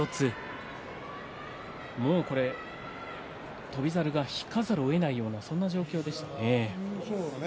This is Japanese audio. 春翔猿が引かざるをえないようなそんな状況でしたね。